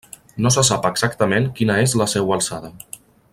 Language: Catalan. No se sap exactament quina és la seua alçada.